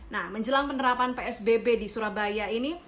nah menjelang penerapan psbb di surabaya ini